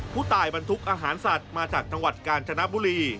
บรรทุกอาหารสัตว์มาจากจังหวัดกาญจนบุรี